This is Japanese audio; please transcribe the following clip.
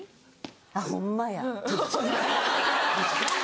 あっホンマや。